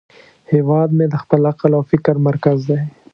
هیواد مې د خپل عقل او فکر مرکز دی